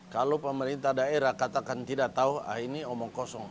kalau pemerintah daerah katakan tidak tahu ah ini omong kosong